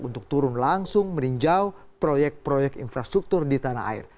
untuk turun langsung meninjau proyek proyek infrastruktur di tanah air